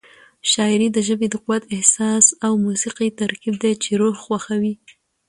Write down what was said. شاعري د ژبې د قوت، احساس او موسيقۍ ترکیب دی چې روح خوښوي.